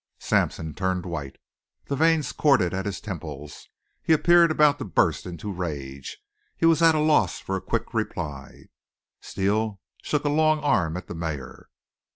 Sampson turned white. The veins corded at his temples. He appeared about to burst into rage. He was at a loss for a quick reply. Steele shook a long arm at the mayor.